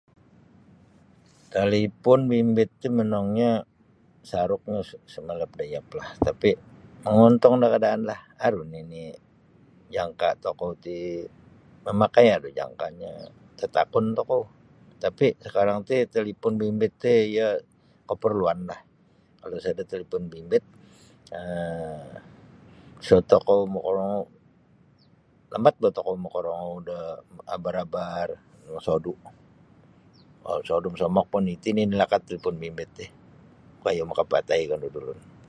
Talipun bimbit tih monongnyo masaruk isa malap da iap lah tapi mongontong da kaadaanlah aru nini jangka tokou tih mamakai aru jangkanyo tatakun tokou tapi sakarang tih talipun bimbit tih iyo kaparluanlah kalau sada talipun bimbit um isa tokou makarongou lambat bah tokou makarongou da abar abar da sodu masodu mosomok pun iti nini lakat talipun bimbit tih koyo makapatai kandu da ulun.